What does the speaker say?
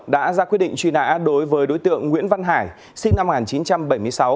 đã ra quyết định truy nã đối với đối tượng nguyễn văn hải sinh năm một nghìn chín trăm bảy mươi sáu